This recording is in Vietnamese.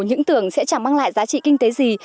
những tưởng sẽ chẳng mang lại giá trị kinh tế gì